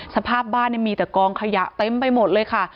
สภาพบ้านมีแต่กองขยะเต็มไปหมดเลยค่ะ